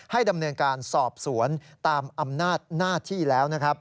ดำเนินการสอบสวนตามอำนาจหน้าที่แล้วนะครับ